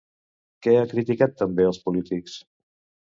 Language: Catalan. Què ha criticat també als polítics?